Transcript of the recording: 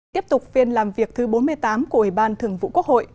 tiếp tục phiên làm việc thứ bốn mươi tám của ủy ban thường vụ quốc hội